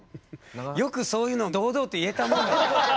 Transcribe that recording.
よくそういうのを堂々と言えたもんだよね。